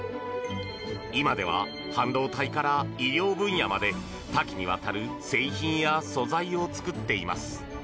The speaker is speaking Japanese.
今では、半導体から医療分野まで多岐にわたる製品や素材を作っています。